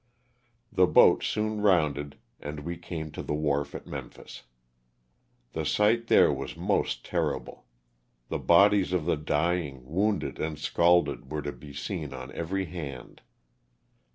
The boat soon rounded aad we came to the wharf at Memphis. The sight there was most ter rible. The bodies of the dying, wounded and scalded were to be seen on every hand.